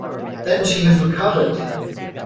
Then she has recovered!